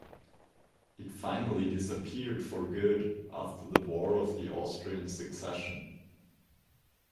It finally disappeared for good after the war of the Austrian succession.